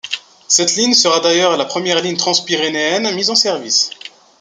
Cette ligne sera d'ailleurs la première ligne transpyrénéenne mise en service.